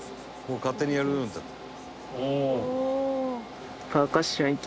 「勝手にやるようになって」